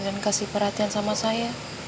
dan kasih perhatian sama saya